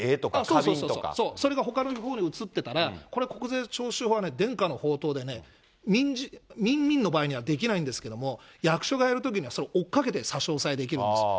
そうそう、それがほかのほうに移ってたら、これは国税徴収法は伝家の宝刀で、みん、みんの場合にはできないんですけども、役所がやるときには、追っかけて差し押さえできるんですよ。